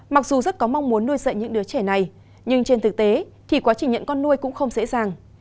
mặc dù rất có mong muốn nuôi dạy những đứa trẻ này nhưng trên thực tế thì quá trình nhận con nuôi cũng không dễ dàng